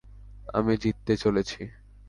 আমি জিততে চলেছি!